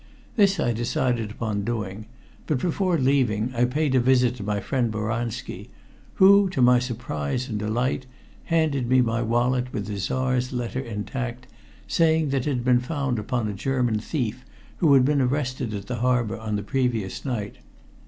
This I decided upon doing, but before leaving I paid a visit to my friend, Boranski, who, to my surprise and delight, handed me my wallet with the Czar's letter intact, saying that it had been found upon a German thief who had been arrested at the harbor on the previous night.